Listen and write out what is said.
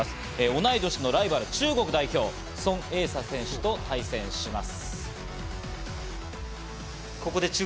同い年のライバル、中国の代表ソン・エイサ選手と対戦します。